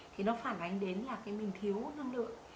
thì nó phản ánh đến là cái mình thiếu năng lượng